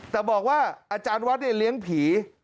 แต่บอกว่าอาจารย์วัดเนี่ยเลี้ยงผี